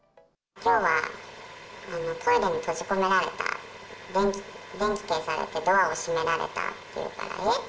きょうはトイレに閉じ込められた、電気消されて、ドアも閉められたって言うから、えっ？